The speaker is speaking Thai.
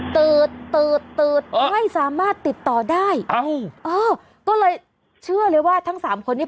ืดตืดตืดไม่สามารถติดต่อได้เอ้าเออก็เลยเชื่อเลยว่าทั้งสามคนนี้